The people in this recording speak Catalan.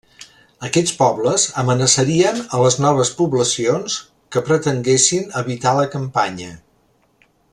Aquests pobles amenaçarien a les noves poblacions que pretenguessin habitar la campanya.